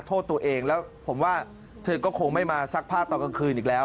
โทษตัวเองแล้วผมว่าเธอก็คงไม่มาซักผ้าตอนกลางคืนอีกแล้ว